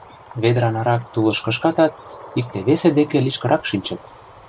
Ведра нарак тулыш кышкатат, икте-весе деке лишкырак шинчыт.